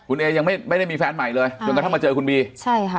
คุณเอยังไม่ได้มีแฟนใหม่เลยจนกระทั่งมาเจอคุณบีใช่ค่ะ